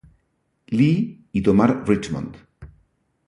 Lee y tomar Richmond.